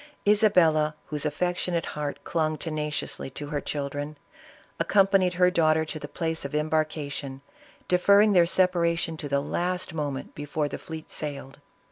Isabella, whose affectionate heart clung tenaciously to her children, ac companied her daughter to the place of embarkation, deferring their separation to the last moment before the fleet sailed.